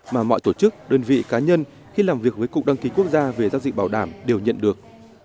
mà mọi tổ chức đơn vị cá nhân khi làm việc với cục đăng ký quốc gia về giao dịch bảo đảm đều nhận được